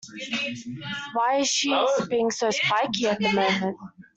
Why's she being so spiky at the moment?